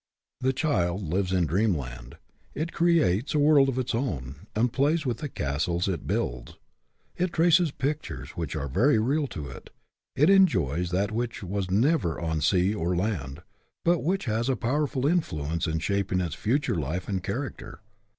The child lives in dreamland. It creates a world of its own, and plays with the castles it builds. It traces pictures which are very real to it; it enjoys that which was never on sea or land, but which has a powerful influence in shaping its future life and character.